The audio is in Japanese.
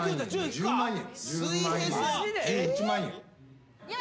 １０万円。